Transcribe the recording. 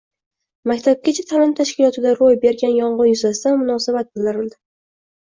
Maktabgacha ta’lim tashkilotida ro‘y bergan yong‘in yuzasidan munosabat bildirildi